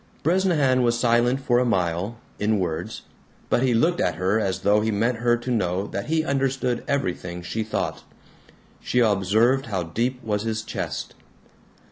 Bresnahan was silent for a mile, in words, But he looked at her as though he meant her to know that he understood everything she thought. She observed how deep was his chest.